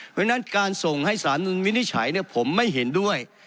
เพราะฉะนั้นการส่งให้สารวินิจฉัยผมไม่เห็นด้วย